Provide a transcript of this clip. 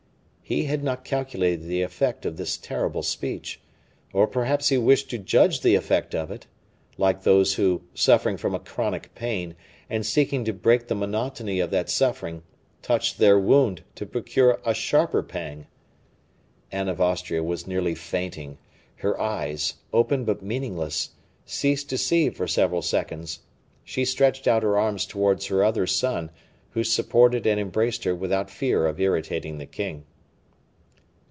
He had not calculated the effect of this terrible speech, or perhaps he wished to judge the effect of it, like those who, suffering from a chronic pain, and seeking to break the monotony of that suffering, touch their wound to procure a sharper pang. Anne of Austria was nearly fainting; her eyes, open but meaningless, ceased to see for several seconds; she stretched out her arms towards her other son, who supported and embraced her without fear of irritating the king.